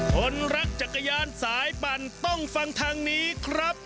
คนรักจักรยานสายปั่นต้องฟังทางนี้ครับ